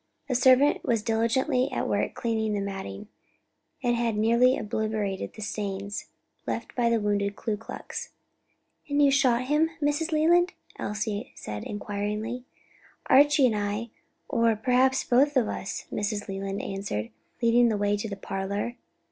A servant was diligently at work cleaning the matting, and had nearly obliterated the stains left by the wounded Ku Klux. "And you shot him, Mrs. Leland?" Elsie said inquiringly. "Archie or I, or perhaps both of us," Mrs. Leland answered, leading the way to the parlor.